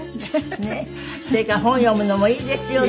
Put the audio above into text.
それから本を読むのもいいですよね。